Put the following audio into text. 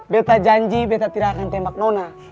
betta janji betta tidak akan tembak nona